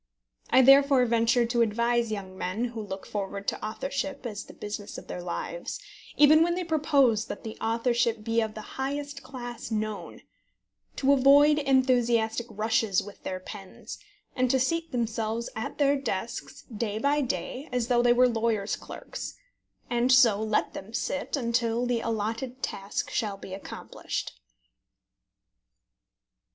I therefore venture to advise young men who look forward to authorship as the business of their lives, even when they propose that that authorship be of the highest class known, to avoid enthusiastic rushes with their pens, and to seat themselves at their desks day by day as though they were lawyers' clerks; and so let them sit until the allotted task shall be accomplished.